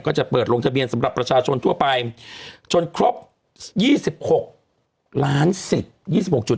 ก็จะเปิดลงทะเบียนสำหรับประชาชนทั่วไปจนครบ๒๖ล้านสิทธิ์๒๖จุด